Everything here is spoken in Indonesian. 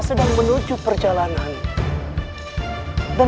semua pukulan dinda